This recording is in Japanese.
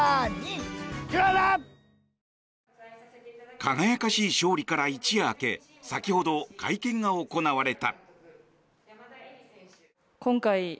輝かしい勝利から一夜明け先ほど、会見が行われた。